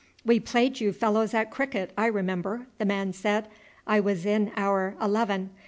"We played you fellows at cricket, I remember," the man said. "I was in our eleven.